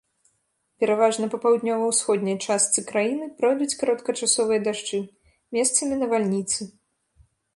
Пераважна па паўднёва-ўсходняй частцы краіны пройдуць кароткачасовыя дажджы, месцамі навальніцы.